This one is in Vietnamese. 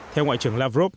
theo ngoại trưởng lavrov